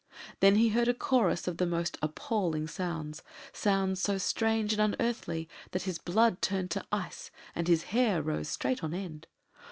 Then he heard a chorus of the most appalling sounds sounds so strange and unearthly that his blood turned to ice and his hair rose straight on end.